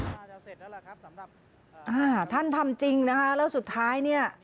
เสร็จแล้วล่ะครับสำหรับอ่าท่านทำจริงนะคะแล้วสุดท้ายเนี่ย